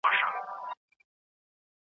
ماته خپل خالق لیکلی په ازل کي شبِ قدر `